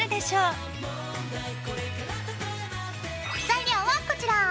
材料はこちら！